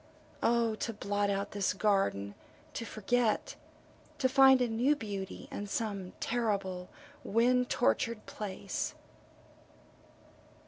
O to blot out this garden to forget, to find a new beauty in some terrible wind tortured place.